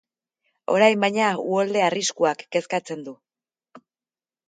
Orain, baina, uholde arriskuak kezkatzen du.